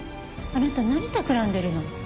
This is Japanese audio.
あなた何たくらんでるの？